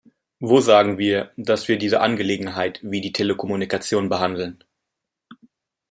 Wo sagen wir, dass wir diese Angelegenheit wie die Telekommunikation behandeln?